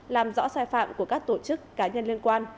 làm rõ sai phạm của các tổ chức cá nhân liên quan